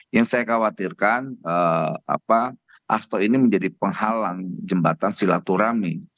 yang saya khawatirkan asto ini menjadi penghalang jembatan silaturahmi